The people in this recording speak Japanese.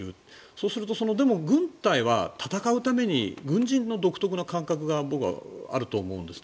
そうするとでも軍隊は戦うために軍人の独特な感覚が僕はあると思うんです。